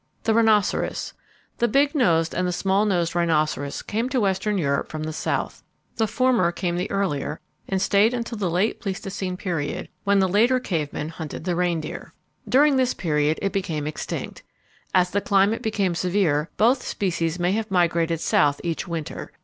The Rhinoceros. The big nosed and the small nosed rhinoceros came to western Europe from the south. The former came the earlier and stayed until the late Pleistocene period, when the later cavemen hunted the reindeer. During this period it became extinct. As the climate became severe, both species may have migrated south each winter.